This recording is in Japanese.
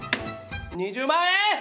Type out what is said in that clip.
２０万円！